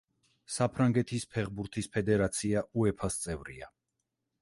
საფრანგეთის ფეხბურთის ფედერაცია უეფას წევრია.